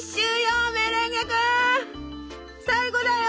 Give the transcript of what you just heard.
最後だよ！